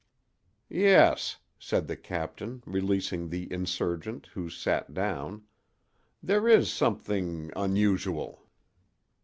"Yes," said the captain, releasing the insurgent, who sat down, "there is something—unusual.